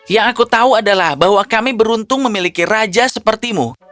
yang aku tahu adalah bahwa kami beruntung memiliki raja sepertimu